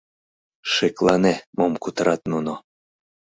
— Шеклане, мом кутырат нуно.